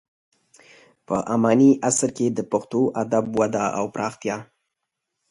په اماني عصر کې د پښتو ادب وده او پراختیا.